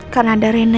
karena ada rina